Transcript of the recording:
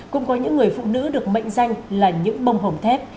cũng có những người phụ nữ được mệnh danh là những bông hồng thép